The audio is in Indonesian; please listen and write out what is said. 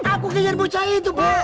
aku ingin bocah itu bu